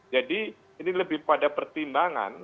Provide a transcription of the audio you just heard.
jadi ini lebih pada pertimbangan